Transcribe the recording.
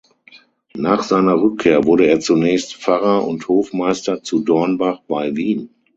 Nach seiner Rückkehr wurde er zunächst Pfarrer und Hofmeister zu Dornbach bei Wien.